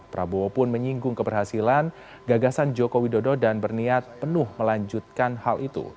prabowo pun menyinggung keberhasilan gagasan joko widodo dan berniat penuh melanjutkan hal itu